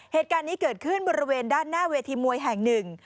เหตุการณ์นี้เกิดขึ้นบริเวณด้านหน้าเวทีมวยแห่งหนึ่ง